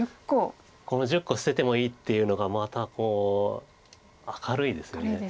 １０個捨ててもいいっていうのがまた明るいです。